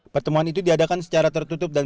pertemuan itu diadakan secara tertutup dan